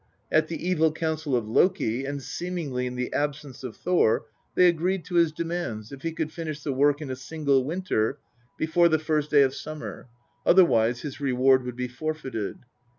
At the evil counsel of Loki, and seemingly in the absence ot Thor, they agreed to his demands if he could finish the work in a single winter, before the first day of summer, otherwise his reward would be forfeited.